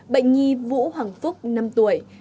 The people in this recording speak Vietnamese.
bệnh nhi vũ hoàng phúc năm tuổi